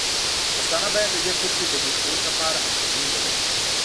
پښتانه باید د دې کرښې د لرې کولو لپاره همغږي ولري.